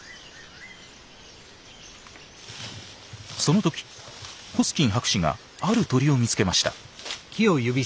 その時ホスキン博士がある鳥を見つけました。